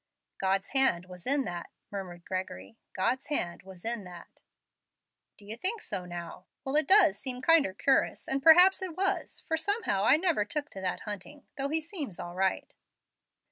"God's hand was in that," murmured Gregory; "God's hand was in that." "Do you think so, now? Well, it does seem kinder cur'us, and per'aps it was, for somehow I never took to that Hunting, though he seems all right."